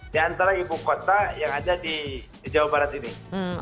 di antara ibu kota yang ada di jawa barat ini